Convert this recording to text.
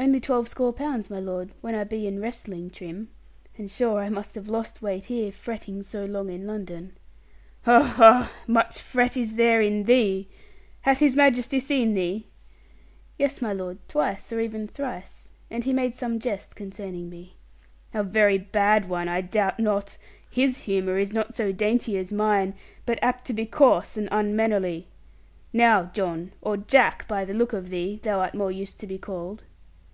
'Only twelvescore pounds, my lord, when I be in wrestling trim. And sure I must have lost weight here, fretting so long in London.' 'Ha, ha! Much fret is there in thee! Hath His Majesty seen thee?' 'Yes, my lord, twice or even thrice; and he made some jest concerning me.' 'A very bad one, I doubt not. His humour is not so dainty as mine, but apt to be coarse and unmannerly. Now John, or Jack, by the look of thee, thou art more used to be called.'